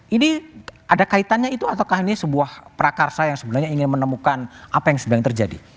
ini ada kaitannya itu ataukah ini sebuah prakarsa yang sebenarnya ingin menemukan apa yang sebenarnya terjadi